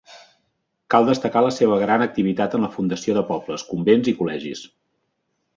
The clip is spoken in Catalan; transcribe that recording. Cal destacar la seva gran activitat en la fundació de pobles, convents i col·legis.